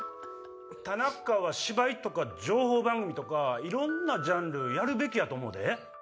「田中は芝居とか情報番組とかいろんなジャンルやるべきやと思うで」。